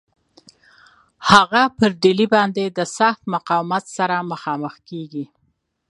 هغه پر ډهلي باندي د سخت مقاومت سره مخامخ کیږي.